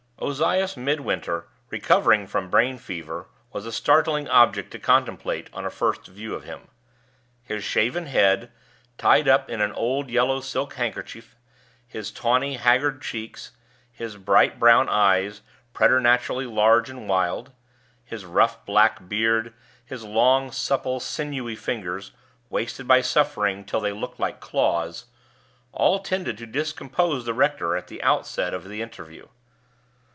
Ozias Midwinter, recovering from brain fever, was a startling object to contemplate on a first view of him. His shaven head, tied up in an old yellow silk handkerchief; his tawny, haggard cheeks; his bright brown eyes, preternaturally large and wild; his rough black beard; his long, supple, sinewy fingers, wasted by suffering till they looked like claws all tended to discompose the rector at the outset of the interview.